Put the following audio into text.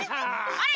あれ？